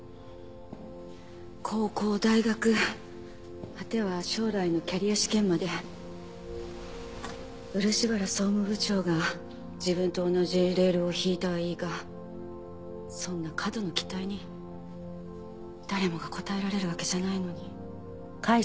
高校大学果ては将来のキャリア試験まで漆原総務部長が自分と同じレールを敷いたはいいがそんな過度な期待に誰もが応えられるわけじゃないのに。